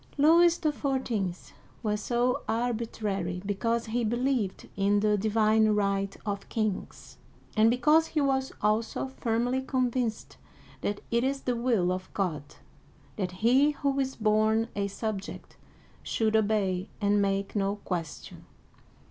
Louis XIV. was so arbitrary because he believed in "the divine right of kings," and because he was also firmly convinced " that it is the will of God that he who is born a subject should obey and make no question."